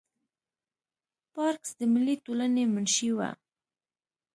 پارکس د ملي ټولنې منشي وه.